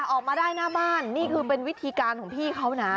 ออกมาได้หน้าบ้านนี่คือเป็นวิธีการของพี่เขานะ